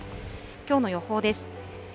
きょうの予報です。